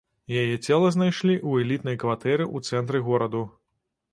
Яе цела знайшлі ў элітнай кватэры ў цэнтры гораду.